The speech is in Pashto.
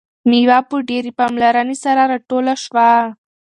میوه په ډیرې پاملرنې سره راټوله شوه.